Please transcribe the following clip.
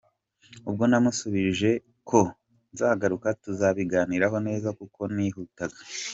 Ubwo namusubije ko nzagaruka tukabiganiraho neza kuko nihutaga.